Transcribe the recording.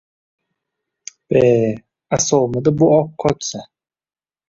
— Be! Аsovmidi bu opqochsa?!